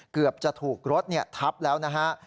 เกือบจะถูกรถทับแล้วนะฮะ